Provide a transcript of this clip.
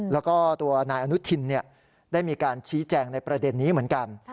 แล้วก็ตัวนายอนุทินได้มีการชี้แจงในประเด็นนี้เหมือนกัน